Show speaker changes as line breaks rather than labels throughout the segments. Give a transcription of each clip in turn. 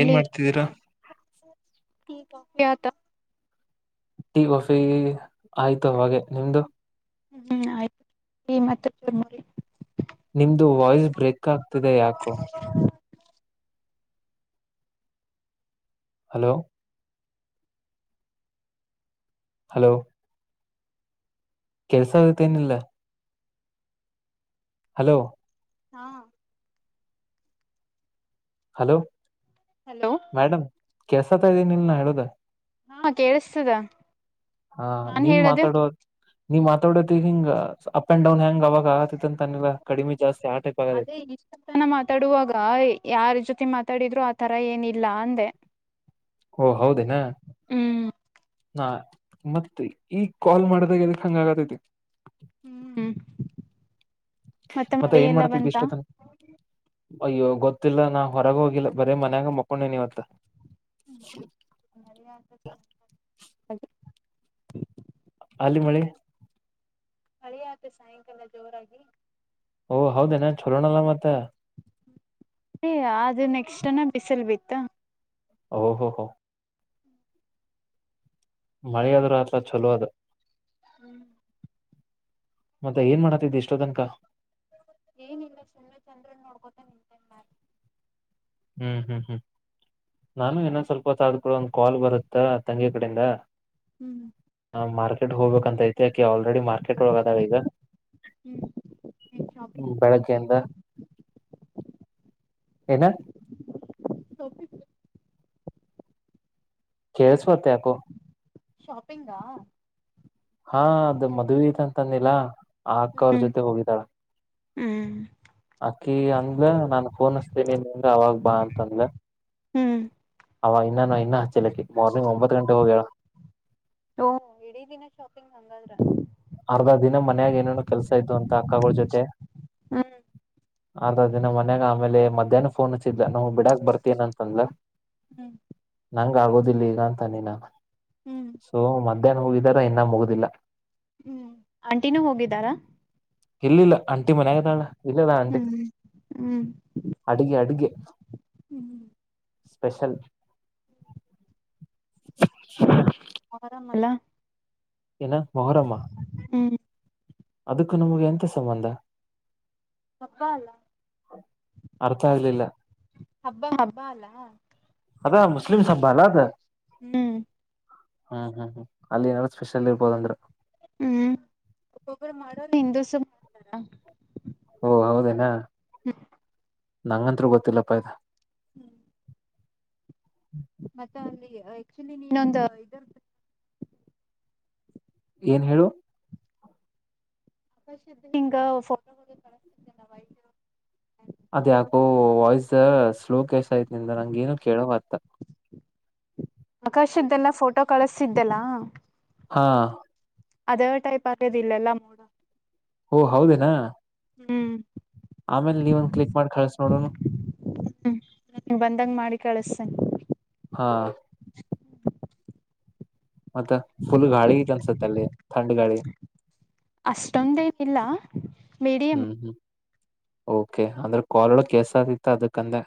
ಏನ್, ಮಾಡ್ತಿದ್ದೀರಾ? [inaudible]
ಹ್ಮ್, ಯತ. [unintelligible]
Tea, coffee, ಆಯ್ತು! ಆವಾಗಲೇ, ನಿಮ್ದು. [inaudible]
ಹ್ಮ್, ಆಯ್ತು, ಮತ್ತೆ, ಚಿರುಮುರಿ. [unintelligible]
ನಿಮ್ದು, ವಾಯ್ಸ್, ಬ್ರೇಕ್, ಆಗ್ತಿದೆ ಯಾಕೋ? [inaudible] ಹಲೋ.. [inaudible] ಹಲೋ.. [inaudible] ಕೆಲ್ಸ, ಆಗತ್ತೇನಿಲ್ಲ? [inaudible] ಹಲೋ.. [inaudible]
ಹಾ.. [inaudible]
ಹಲೋ.. [inaudible]
ಹಲೋ.. [inaudible]
ಕೇಳುಶಕಾತ, ಇದೀನಿ, ನೀನು, ಹೇಳೋದು? [inaudible]
ಹಾ, ಕೇಳಿಸ್ತದೇ? [inaudible]
ಹ, ನೀನ್ ಮಾತಾಡೋ, ನೀ ಮಾತಾಡೋತಿ ಹಿಂಗ, ಅಪ್, ಅಂಡ್ ಡೌನ್! ಹೆಂಗ, ಅವಾಗ, ಆಗುತತೀ. [unintelligible] ಅಂತ, ಅಂದಿಲ್ಲ, ಕಡಿಮೆ, ಜಾಸ್ತಿ. [inaudible]
ಅದೇ, ಇಷ್ಟು, ಜನ ಮಾತಾಡುವಾಗ! ಯಾರ್ ಜೊತೆ ಮಾತಾಡಿದ್ರು? [inaudible] ತರ, ಏನಿಲ್ಲ ಅಂದೆ? [inaudible]
ಓ, ಹೌದೇನಾ?
ಹ್ಮ್
[inaudible] ನಾ, ಮತ್ತೆ, ಈಗ್, ಕಾಲ್ ಮಾಡ್ದಾಗ! ಏನುಕೈ, ಹಂಗ ಆಗತೈತಿ? [inaudible]
ಹ್ಮ್
ಮತ್ತೆ
ಮಳಿ
ಏನ್
ಎಲ್ಲ ಬಂತ
ಮಾಡ್ತಿದ್ವಿಷ್ಟೊತ್ತನ ಅಯ್ಯೋ ಗೊತ್ತಿಲ್ಲ ನಾ ಹೊರಗ ಹೋಗಿಲ್ಲ ಬರೀ ಮನ್ಯಾಗ ಮಕೊಂಡೇನಿ ಇವತ್ತ
[inaudible]
ನೀಮಳಿ
ಮಳೆ ಆದತ್ ಸಾಯಂಕಾಲ ಜೋರಾಗಿ
ಓ ಹೌದೇ ಏನ್ ಚಛಲೋಅಲ್ಲ ಮತ್ತ
ಏ ಅದು ನೆಕ್ಸ್ಟ್ಡೇ ಬಿಸಿಲ್ ಬಿತ್ತ
ಓ ಹೋ ಹ ಮಳೆಯಾದ್ರ ಆತ ಚಲೋ ಅದು
ಹ್ಮ್
ಮತ್ತೆ ಏನ್ ಮಾಡತಿದ್ದ ಎಷ್ಟೋತನಕ
ಏನಿಲ್ಲ ಸುಮ್ಮನೆ ಚಂದ್ರನ್ ನೋಡ್ಕೋತ ನಿಂತನ್ ಮ್ಯಾಲ
ಹ್ಮ್ ಹ್ಮ್ ಹ್ಮ್ ನಾನು ಇನೊಂದ್ದ ಸ್ವಲ್ಪ ಆದಮ್ಯಲ್ ಕೂಡ ಒಂದ್ ಕಾಲ್ ಬರುತ್ತಾ ತಂಗಿ ಕಡಿಂದ
ಹ್ಮ್
ಹ ಮಾರ್ಕೆಟ್ ಹೋಗ್ಬೇಕಂತ ಐತಿ ಯಾಕೆ ಆಲ್ರೆಡಿ ಮಾರ್ಕೆಟ್ ಒಳಾಗ್ ಆದಾಳ ಈಗ
ಹ್ಮ್ ಏನ್ ಶಾಪಿಂಗ್
ಬೆಳಗ್ಗೆ ಇಂದ ಎನಾ
ಶಾಪಿಂಗ್
ಕೆಲ್ಸವಲ್ದ ಯಾಕೋ
ಶಾಪಿಂಗ ಆ
ತಂದಿಲ್ಲ ಆ ಅಕ್ಕ ಅವ್ರ
ಹ್ಮ್
ಜೊತೆ ಹೋಗಿದ್ದಾಳ
ಹ್ಮ್
ಅಕಿ ಅಂದ್ಲ ನಾನ್ ಫೋನ್ಸ್ತೀನಿ ನಿನ್ ಅವಾಗ್ ಬಾ ಅಂತ ಅಂದಲ
ಹ್ಮ್
ಅವ ಇನ್ನ ನಾ ಇನ್ನ ಹಚ್ಚಲಿಕ್ಕೆ ಮಾರ್ನಿಂಗ್ ಒಂಬತ್ತು ಗಂಟೆ ಹೋಗ್ಯಳ
ಓ ಇಡೀ ದಿನ ಶಾಪಿಂಗ್ ಹಂಗಾದ್ರ
ಅರ್ಧ ದಿನ ಮನ್ಯಾಗ ಏನೇನು ಕೆಲ್ಸ ಇದು ಅಂತ ಅಕ್ಕಗಳ ಜೊತೆ
ಹ್ಮ್
ಆ ದಿನ ಮನ್ಯಾಗ ಆಮೇಲಿ ಮಧ್ಯಾಹ್ನ ಫೋನ್ ಹಚ್ಚಿದ್ದ ನಾವು ಬಿಡಕ್ ಬರ್ತೀನ ಅಂತಂದ್ರ
ಹ್ಮ್
ನಂಗ್ ಆಗೋದಿಲ್ಲ ಈಗ ಅಂತಾನಿ ನಾನ್
ಹ್ಮ್
ಸೊ ಮಧ್ಯಾಹ್ನ ಹೋಗಿದಾರ ಇನ್ನ ಮುಗುದಿಲ್ಲ
ಹ್ಮ್ ಅಂಟಿನೂ ಹೋಗಿದ್ದಾರಾ
ಇಲ್ಲಿಲ್ಲ ಅಂಟಿ ಮನ್ಯಾಗದಾಳ ಇಲ್ಲೆಅದಾಳ ಅಂಟಿ
ಹ್ಮ್ ಹ್ಮ್
ಅಡ್ಗೆ ಅಡ್ಗೆ
ಅಲ್ಲ
ಸ್ಪೆಷಲ್
ಅರಾಮಲ
ಏನು ಮೊಹರಮ
ಹ್ಮ್
ಅದಕ್ಕೂ ನಮಗೆ ಎಥ ಸಂಬಂಧ
ಬಲ್ಲ
ಅರ್ಥ ಆಗ್ಲಿಲ್ಲ
ಹಬ್ಬ ಹಬ್ಬ ಅಲ್ಲಾ
ಅದ ಮುಸ್ಲಿಮ ಸಬ್ಬ ಅಲ್ಲದು
ಹ
ಹ್ಮ್ ಹ್ಮ್ ಹ್ಮ್ ಅಲ್ಲಿ ಏನಾರರು ಸ್ಪೆಷಲ್ ಇರ್ಬೋದಂದ್ರರು
ಹ್ಮ್ ಒಬ್ಬೊಬ್ಬರು ಮಾಡೋ ಹಿಂದಸ ಮಾಡ್ತಾರ
ಓ ಹೌದೇನಾ
ಹ್ಮ್
ನಂಗಂತ್ರು ಗೊತ್ತಿಲ್ಲಪ್ಪಾಯ್ತಾ
ಹ್ಮ್ ಮತ್ತೆ ಅಲ್ಲಿ ಆಕ್ಚುಲಿ ನೀನೊಂದು ಇದ
ಏನ್ ಹೇಳು
ಹಂಗ ಫೋಟೋ ಕ [inaudible]
ಅದ್ಯಾಕೋ ವಾಯ್ಸ್ ಸ್ಲೋ ಕಸ್ ಆಯತ್ನಿಂದ ನಂಗೇಏನ ಕೇಳೋವ ಅತ
ಆಕಾಶದ್ದೆಲ್ಲ ಫೋಟೋ ಕಳಸ್ತಿದ್ದೆಲ್ಲ
ಹಾ
ಅದೇ ಟೈಪ್ ಅರದ ಇಿಲ್ಲ ಎಲ್ಲ ಮೂೋಡ
ಓ ಹೌದೇನಾ
ಹ್ಮ್
ಆಮೇಲೆ ನೀವ ಒಂದ್ ಕ್ಲಿಕ್ ಮಾಡಿ ಕಳ್ಸ ನೋಡುನು
ಹ್ಮ್ ಬಂದಂಗ ಮಾಡಿ ಕಳಿಸತೇನೆ
ಹಾ ಮತ್ತ ಫುಲ್ ಗಾಳಿ ಅನ್ಸತ್ತ ಅಲ್ಲಿ ತಾಂಡ್ ಗಾಳಿ
ಇಲ್ಲ ಮೀಡಿಯಂ
ಹ್ಮ್ ಹ್ಮ್ ಓಕೆ ಅಂದ್ರೆ ಕಲ್ಳ ಕೆಸ ಆಗತ್ತ ಅದಕ್ಕಂದೆ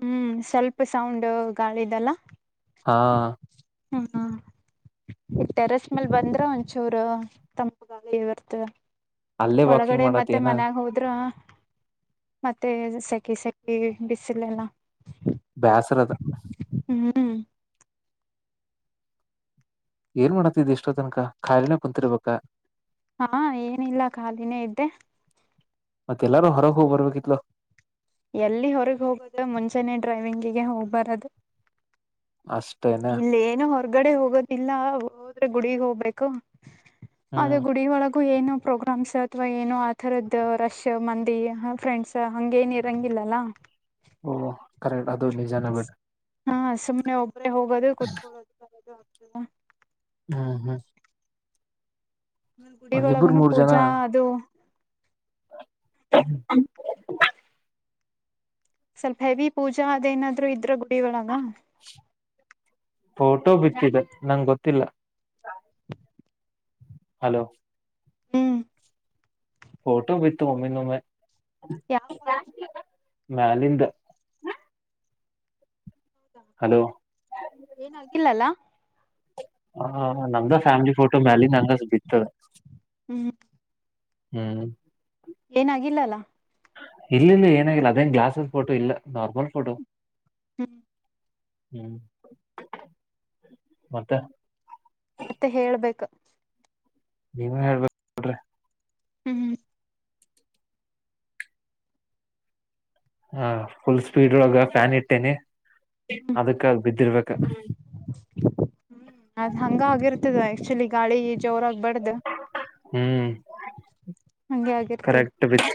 ಹ್ಮ್ ಸ್ವಲ್ಪ ಸೌಂಡ್ ಗಾಳಿದಲ್ಲ
ಹಾ
ಹಾ ಟೆರಸ್ ಮೇಲ್ ಬಂದ್ರೆ ಒಂಚೂರು ತಮ್ಮಗಾಗ ಬರ್ತ
ಅಲ್ಲೇ ವಾಕಿಂಗ್
ಒಳಗಡೆ
ಮಾಡತ್
ಮತ್ತೆ
ಏನ
ಮನ್ಯಾಗ ಹೋದ್ರ ಮತ್ತೆ ಸೆಕೆ ಸೆಕಿ ಬಿಸಿಲೆಲ್ಲ
ಬಾಯ್ಸರ ಸರದ
ಹ್ಮ್
ಏನ್ ಮಾಡತ್ತ ಇದಿಷ್ಟ ತನಕ ಖಾಯಲೆನೇ ಕುಂತರ್ಬೇಕಾ
ಹಾ ಏನಿಲ್ಲ ಖಾಲಿನೇ ಇದ್ದೆ
ಮತ್ತೆ ಎಲ್ಲಾರು ಹೊರ ಹೂ ಬರ್ಬೇಕಿತ್ಲ
ಎಲ್ಲಿ ಹೊರಗೆ ಹೋಗೋದು ಮುಂಚಾನೇ ಡ್ರೈವಿಂಗಿಗೆ ಹೋಗ್ಬಾರದು
ಅಷ್ಟೇನೆ
ಹೊರ್ಗಡೆ ಹೋಗೋದಿಲ್ಲ ಹೋದ್ರೆ ಗುಡಗ್ ಹೋಗ್ಬೇಕು
ಹ್ಮ್
ಗುಡ ಒಳಗ ಏನೋ ಪ್ರೋಗ್ರಾಮ್ಸ್ ಅಥವಾ ಏನೋ ಆಥರದ ರಶ್ ಮಂದಿ ಫ್ರೆಂಡ್ಸ್ ಹಂಗ ಏನ ಇರಂಗಿಲ್ಲ [inaudible]
ಓಹ ಕರೆಕ್ಟ್ ಅ ನೀ ಜಾನ ಬಟ್
ಸುಮ್ಮನೆ ಒಬ್ಬರೇ ಹೋಗೋದು ಕುೂತ್ಕೊಳ್ಳೋದು ಆಗ್ತ
ಹಾ ಹಾ
ಗುಡಿಗಳೊಳಗನು ಪೂಜಾ ಅದು
ಹ [inaudible]
ಸ್ವಲ್ಪ ಹೆವಿ ಪೂಜಾ ಅದೇನಾದ್ರು ಇದ್ರ ಗುಡಿ ಒಳಗ
ಫೋಟೋ ಬಿತ್ತಿದೆ ನಂಗ ಗೊತ್ತಿಲ್ಲ ಹಲೋ
ಹ್ಮ್
ಫೋಟೋ ಬಿತ್ತುು ಮಮ್ಮನುಮ್ಮ
ಯಾವ ಪಟ
ಮಾಲಿಂದ
ಹೌದಾ
ಹಲೋ
ಏನಾಗಿಲ್ಲಲ್ಲಾ [inaudible]
ಹ ನಮ್ದ ಫ್ಯಾಮಿಲಿ ಫೋಟೋ ಮ್ಯಾಲ ನಂಗ ಬಿತದೆ
ಹ್ಮ್
ಹ್ಮ್
ಏನಾಗಿಲ್ಲಲ್ಲ
ಇಲ್ಲಿಂದ ಏನಾಗಿಲ್ಲ ಅದೇ ಗ್ಲಾಸ್ಸ್ ಫೋಟೋ ಇಲ್ಲ ನಾರ್ಮಲ್ ಫೋಟೋ
ಹ್ಮ್
ಹ್ಮ್ ಮತ್ತೆ [inaudible]
ಮತ್ತೆ ಹೇಳ್ಬೇಕ
ನೀ ಹಳ್ಬೇಕ್ರ
ಹ್ಮ್ ಹ್ಮ್
ಹ ಫುಲ್ ಸ್ಪೀಡ್ ಒಳಗ ಫ್ಯಾನ್ ಇಟ್ಟೇನೆ
ಹ್ಮ್
ಅದಕ್ಕ ಅದು ಬಿದ್ದಿರ್ಬೇಕಕ್ಕ
ಅದ್ ಹಂಗ ಆಗಿರ್ತದ ಆಕ್ಚುಲಿ ಗಾಳಿ ಜೋರಾಗಬಾರ್ದ
ಹ್ಮ್
ಹಗೆ ಆಗಿರ್ತದೆ
ಕರೆಕ್ಟ್ ಬಿತ್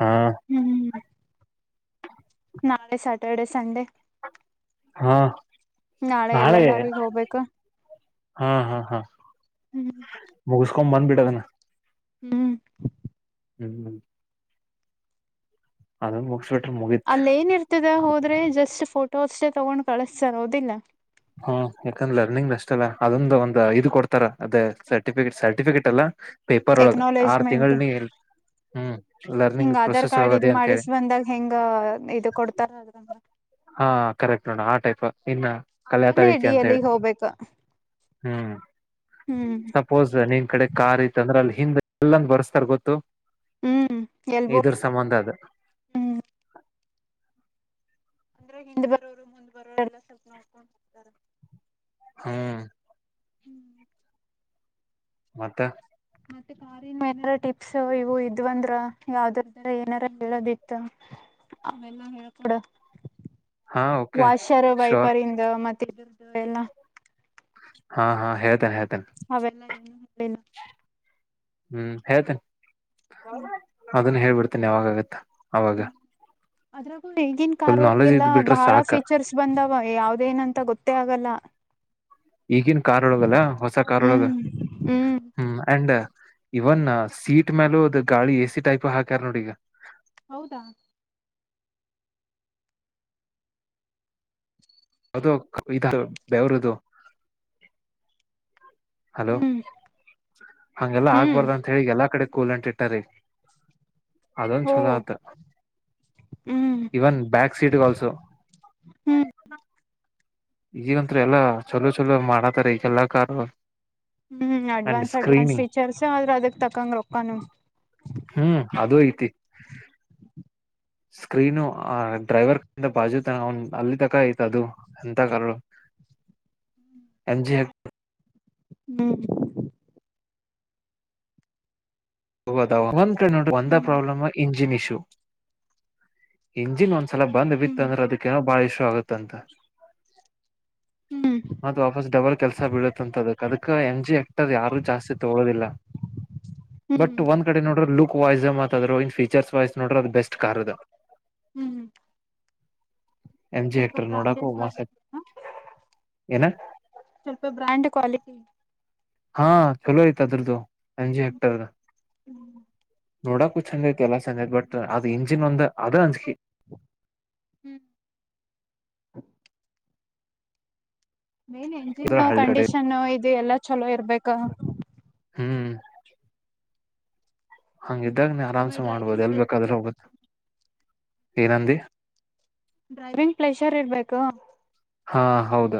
ಹಾ
ಹ್ಮ್ ನಾಳೆ ಸ್ಯಾಟರ್ಡೆ ಸಂಂಡೇ
ಹಾ
ನಾಳೆ ಎಲ್ಲೆಲ್ಲಾರಗ ಹೋಗ್ಬೇಕು
ಹಾ ಹಾ ಹಾ
ಹ್ಮ್
ಕಕೊ ಬ್ಬಿಟ್ಟದ
ಹ್ಮ್
ಹ್ಮ್ ಹ್ಮ್ ಅದು ಮುಗಿಸಬಿಟ್ಟು
ಅಲ್ಲ ಏನ್ ಇರ್ತದ ಹೋದ್ರೆ ಜಸ್ಟ್ ಫೋಟೋ ಅಷ್ಟೇ ತಗೊಂಡ್ ಕಳಸ್ತರೋದಿಲ್ಲ
ಹಾ ಯಾಕಂದ್ರೆ ಲರ್ನಿಂಗ್ ಅಷ್ಟಲ್ಲ ಅದೊಂದು ಒಂದ್ ಇದು ಕೊಡ್ತಾರ ಅದ ಸರ್ಟಿಫಿಕೇಟ್ ಸರ್ಟಿಫಿಕೇಟ್ ಅಲ್ಲ ಪೇಪರ್ ಒಳಗ ಆರು
ಎಕ್ನಾಲೇಜ್ಮೆಂಟ್
ತಿಂಗಳಿನ
ಹಿಂಗ ಆಧಾರ್ ಕಾರ್ಡ್ ಇ
ಅಂತ ಹೇಳಿ
ಮಾಡಿಸ ಬಂದಾಗ ಹೆಂಗ ಇದು ಕೊಡ್ತಾರ ಅದ್ರಂಗ
ಹಾ ಕರೆಕ್ಟ್ ನೋಣ ಆ ಟೈಪ್ ಇನ್ನ ಕಲ್ಯಾತ
ಆಮೇಲೆ
ರೀಚೆ
ಡಿ
ಅಂತ ಹೇಳಿ
ಎಲ್ಲಿಗ್ ಹೋಗ್ಬೇಕ
ಹ್ಮ್
ಹ್ಮ್
ಸಪೋಸ್ ನಿನ್ ಕಡೆ ಕಾರ್ ಐತ್ತಂದ್ರ ಅಲ್ಲಿ ಹಿಂದ್ ಎಲ್ಲಂದ ಬರ್ಸ್ತಾರಾರ್ ಗೊತ್ತು
ಹ್ಮ್ ಎಲ್
[unintelligible] ಇದ್ರ
ಬೋರ್ಡ್ ಅಂತ
ಸಂಬಂಧ ಅದು
ಹ್ಮ್ ಅಂದ್ರೆ ಹಿಂದ್ ಬರೋರು ಮುಂದ್ ಬರೋರು ಎಲ್ಲ ಸ್ವಲ್ಪ ನೋಡ್ಕೊಂಡು ಹೋಗ್ತಾರೆ [inaudible]
ಹ್ಮ್
ಹ್ಮ್
ಮತ್ತೆ
ಮತ್ತೆ ಕಾರಿನ ಏನಾರ ಟಿಪ್ಸ್ ಇವು ಇದ್ವಂದ್ರ ಯಾವ್ದ್ರ್ದ ಏನಾರ ಹೇಳೋದಿತ್ತ [inaudible] ಅವೆಲ್ಲಾ ಹೇಳ್ಕೊಡ
ಹಾ
[inaudible]
ಓಕೆ
ವಷರ
ಶೋರ್
ವೈಪರಿಂದ ಮತ್ತೆ ಇದ್ದ ಎಲ್ಲಾ
ಹಾ ಹಾ ಹೇಳ್ತೇನೆ ಹೇಳ್ತನೆ
ಅವೆಲ್ಲ ಏನು ಹೇಳಿಲ್ಲ
ಹ್ಮ್ ಹೇಳ್ತೇನೆ
ಹ್ಮ
ಅದನ್ನ ಹೇಬಿಡ್ತೇನೆ ಯಾವಾಗಗತ್ತ ಅವವಾಗ
ನ ಈಗಿನ ಕಾರೋರ್ಳಗೆಲ್ಲ
ಬಿಟ್ರೆ
ಬಹಳ
ಸಾಕ
ಫೀಚರ್ಸ್ ಬಂದಾವ ಯಾವ್ದೇನಂತ ಗೊತ್ತೇ ಆಗಲ್ಲ
ಈಗನ್ ಕಾರೋರ್ಳಗಲ್ಲ ಹೊಸ ಕಾರೂರ್ ಳಗ
ಹ್ಮ್ ಹ್ಮ್
ಹ್ಮ ಅಂಡ್ ಇವನ್ ಸೀಟ್ ಮೇಲೂ ಅದು ಗಾಳಿ ಎ ಸಿ ಟೈಪ್ ಹಾಕ್ಯಾರ ನೋಡಿ ಈಗ
ಹೌದಾ
ಹೌದು ಇ ಬೆವರುದು ಹಲೋ
ಹ್ಮ್
ಹಂಗೆಲ್ಲಾ
ಹ್ಮ್
ಆಗ್ಬಾರ್ದ ಅಂತ ಹೇಳಿ ಎಲ್ಲಾ ಕಡೆ ಸ್ಕೂಲ್ ಅಂಟ ಇಟ್ಟಾರಿ ಅದೊನ್
ಓ
ಚಲೋ ಆತ
ಹ್ಮ್
ಇವನ್ ಬ್ಯಾಕ್ ಸೀಟ್ ಆಲ್ಸೋ
ಹ್ಮ್
ಈಗಂತ್ರಿ ಎಲ್ಲಾ ಚಲೋ ಚಲೋ ಮಾಡತಾರ ಈಗೆಲ್ಲ ಕಾರು
ಹ್ಮ್ ಅಡ್ವಾನ್ಸ್ ಅಡ್ವಾನ್ಸ್ ಫೀಚರ್ಸ ಆದ್ರೆ ಅದಕ್ ತಕಂಗ ರೊಕ್ಕಾನ
ಹ್ಮ್ [inaudible] ಸ್ಕ್ರೀನು ಆ ಡ್ರೈವರ್ ಕಂತ ಬಾಜು ತ ಅಲ್ಲಿ ತಕ ಐ್ತ ಅದು ಎಂತ ಕ
[inaudible]
ಎಜಿ [inaudible]
ಹ್ಮ್
ಹದ ಒಂದ
ಹ್ಮ್
ಪ್ರಾಬ್ಲಮ್ ಇಂಜಿನ್ ಇಶ್ಯೂ ಇಂಜಿನ್ ಇ ಸಲ ಬಂದ್
ಹ್ಮ್
ಬಿತ್ತ ಅಂದ್ರೆ ಅದಕ್ಕಏನೋ ಬಾಳ ಇಶ್ಯ ಆಗತ್ತಂತ
ಹ್ಮ್ [inaudible]
ಮತ್ ವಾಪಸ್ ಡಬಲ್ ಕೆಲ್ಸ ಬೀಳತ್ ಅಂತದಕ್ ಅದಕ್ಕ ಎಂ ಜಿ ಹೆಕ್ಟರ್ ಯಾರು ಜಾಸ್ತಿ ತಗೋದಿಲ್ಲ
ಹ್ಮ್
ಬಟ್ ಒಂದ್ಡೆೋ್ರ ಲುಕ್ ವೈಸ್ ಮಾತದ್ ಇನ್ಫೀಚರ್ಸ್ ವೈಸ್ ನೋ್ರ ಅದು ಬೆಸ್ಟ್ ಕಾರ್ ಅದ
ಹ್ಮ್್ಮ
ಎಂ ಜಿ
ಸ್ವಲ್ಪ
ಆಕ್ಟರ್ ನೋಡಾಕು
ಬ್ರಾಂಡೆಡ್
ಮಸ್ತ್
ಕ್ವಾಲಿಟಿ
ಐತಿ ಏನ
ಸ್ವಲ್ಪ ಬ್ರ್ಯಾಂಡ್ ಕ್ವಾಲಿಟಿ
ಹಾ ಚಲೋ ಐತ ಅದ್ರ್ದು ಅಜ
ಹ್ಮ್
ಹೆಕ್ಟರ್
ಹ್ಮ್
ನೋಡಕು ಚಂದ ಐ ಕೆ ಎಾ ಚಂದ ಐ ಬಟ್ ಅದು ಇಂಜಿನ್ ಒಂದ ಅದು ಅಂಜಿಕಿ
ಹ್ಮ್ ಮೇನ್ ಎಂಜಿನ್
ಇದ್ರ ಹಳ್ಳಿ ಕಡೆ
ಕಂಡೀಷನ್ ಇದು ಎಲ್ಲಾ ಚಲೋ ಇರ್ಬೇಕ
ಹ್ಮ್ ಹಂಗಿದ್ದಾಗ ನೀ ಆರಾಮ್ಸ
ಆಮೇಲೆ ಡ್ರೈವಿಂಗ್
ಮಾಡ್ಬೋದು ಎಲ್
ಪ್ಲೇಸರ್
ಬೇಕಾದ್ರೆ
ಇರ್ಬೇಕು
ಹೋಗುತ್ತೆ ಏನಂದಿ
ಡ್ರೈವಿಂಗ್ ಪ್ಲಷರ್ ಇರ್ಬೇಕು
ಹಾ ಹೌದು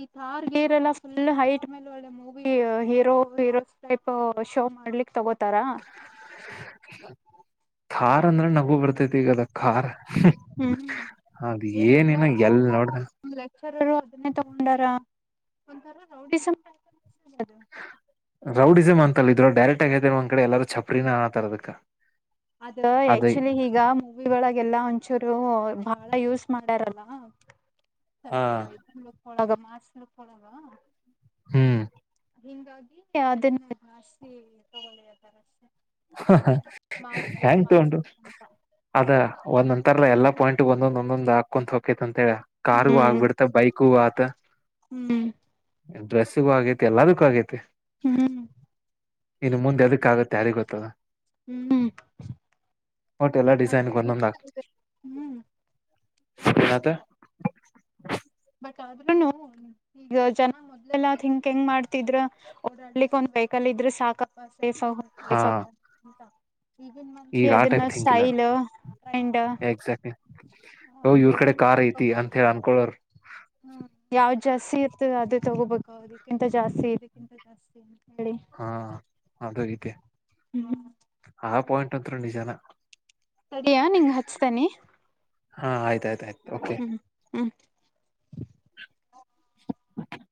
ಈ ಾರ್ ಗೀರ್ ಎಲ್ಲ ಫುಲ್ ಹೈಟ್ ಮೇಲೆ ಒಳ್ಳೆ movie hero hero type show ಮಾಡ ತಗೋತಾರಾ
ಖಾರ್ ಅಂದ್ರೆ ನಗು ಬರ್ತೈತಿ ಈಗ ಅದ ಖಾರ್
ಹ್ಮ್
ಅದು ಏನಿನ ಎಲ್ ನೋಡ್ರ
ರು ಅದನ್ನೇ ತಗೊಂಡಾರ ಒ ರೌಡಿ
ರೌಡಿಸಮ್ ಅಂತಲ್ಲ ಇದ್ರ ಡೈರೆಕ್ಟ್ ಆಗೇತೆ ಒಂದ್ ಕಡೆ ಎಲ್ಲಾರೂ ಚಪರಿನ ಅನ್ನತಾರ ಅದಕ್ಕ
ಅದ ಆಕ್ಚುಲಿ ಈಗ ಮೂವಿಗಳಾಗೆಲ್ಲ ಚೂರು ಬಾಳ ಯೂಸ್ ಮಾಡ್ಯಾರಲ್ಲ
ಹಾ
ಸ್ವಪ ಒಳಗ ಮಾಸಲುಕ್ಕೊಳಗ
ಹ್ಮ್
ಹಿಂಗಾಗಿ ಅದನ್ನು ಹಿ ತಗೊಳ್ಳಿತರೆ
ಹ ಹೆಂಗ ತಗ ಉಟು
ಲುಕ್ ಅಂತ
ಅದ ಒಂದಂತರ್ಲ್ಲ ಎಲ್ಲಾ ಪಾಯಿಂಟ್ ಒಂದೊಂದೊ ಹಾಕೊ ಹಕೈತಂತ ಕಾರ್ಗೂ
ಹ್ಮ್
ಆಗ್ಬಿಡ್ತ ಬೈಕೂ ಆತ
ಹ್ಮ್
ಡ್ರೆಸ್ ೂ ಆಗೈತಿ ಎಲ್ಲದಕ್ಕೂ ಆಗೈತಿ
ಹ್ಮ್
ಇನ್ನು ಮುಂದೆ ಅದಕ್ಕ ಆಗತ್ತ ಯಾರಿ ಗೊತ್ತದ
ಹ್ಮ್್ಮ
ಒಟ್ ಎಲ್ಲಾ
[inaudible]
ಡಿಸೈನ್ಗೆ ಒಂದೊಂದ್
ಹ್ಮ್
ಏನಾತ
ಬ ಆದ್ೂ ಈಗ ಜನ ಮೊದಲೆಲ್ಲಾ ಂಕ್ ಹೆಂಗ್ ಮಾಡ್ತಿದ್ರ ಅವಡ್ಲಿಕ್ ಒಂದ್ ಬೇಕಲ್ಲ ಇದ್ರೆ ಸಾಕಪ್ಪ
ಹಾ
[unintelligible] ಈಗನ್ ಮಂದಿ
ಈಗ ಆ
ಅದನ್ನ
ಟೈಪ್ ಥಿಂಕ್ ಇಲ್ಲ
ಸೈಲ್ ಅಂಡ್
ಎಕ್ಸಾಕ್ಟ್ಲಿ ಓ ಇವ್ರ ಕಡೆ ಕಾರ್ ಐತಿ ಅಂತ ಹೇಳಿ ಅನ್ಕೊಳೋರ್
ಯಾವ್ದ್ ಜಾಸ್ತಿ ಇರ್ತದೆ ಅದೇ ತಗೋಬೇಕದಕ್ಕಿಂತ ಜಾಸ್ತಿ ಇದೆಕ್ಕಿಂತ ಜಾಸ್ತಿ ಇದೆ
ಹಾ ಅದು ರೀತಿ
ಹ್ಮ್
ಆ ಪಾಯಿಂಟ್ ಅಂತ್ರೂ ನಿಜಾನ
ಸರಿಯಾ ನಿಂಗ್ ಹಚ್ತಾನಿ
ಹಾ ಆಯತುಐತ
ಹ್ಮ್ ಹ್ಮ್
[inaudible]